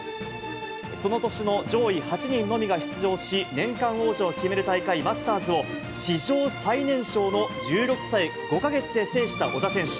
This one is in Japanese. その年の上位８人のみが出場し、年間王者を決める大会マスターズを、史上最年少の１６歳５か月で制した小田選手。